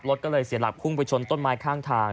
รถก็เลยเสียหลักพุ่งไปชนต้นไม้ข้างทาง